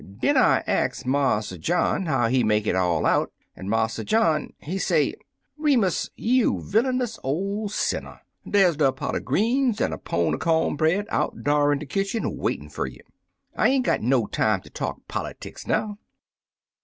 "Den I ax Marse John how he make it all out, an' Marse John, he say, * Remus, you villianous ole sinner, dar's er pot er greens an' er pone er co'n bread out dar in de kitchin waitin' fer you, I ain't gpt no time fer ter talk politics now.'